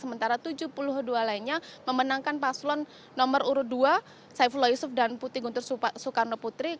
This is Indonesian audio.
sementara tujuh puluh dua lainnya memenangkan paslon nomor urut dua saifullah yusuf dan putih guntur soekarno putri